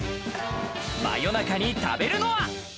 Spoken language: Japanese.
真夜中に食べるのは。